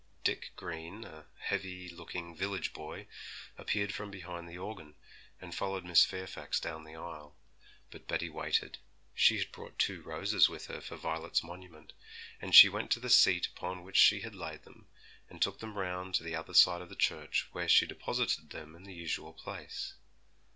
Dick Green, a heavy looking village boy, appeared from behind the organ, and followed Miss Fairfax down the aisle. But Betty waited; she had brought two roses with her for Violet's monument, and she went to the seat upon which she had laid them, and took them round to the other side of the church, where she deposited them in the usual place.